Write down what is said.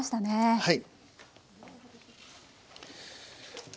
はい。